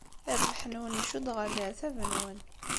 Rrbeḥ-nwen icudd ɣer leɛtab-nwen.